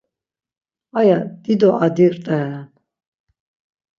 Aya dido adi rt̆eren.